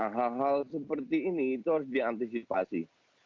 hal hal seperti ini itu harus diantisipasi